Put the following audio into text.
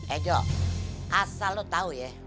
eh jok asal lo tau ya